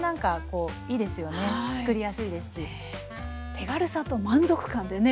手軽さと満足感でね